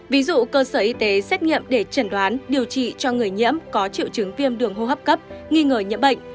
ví dụ cơ sở y tế xét nghiệm để chẩn đoán điều trị cho người nhiễm có triệu chứng viêm đường hô hấp cấp nghi ngờ nhiễm bệnh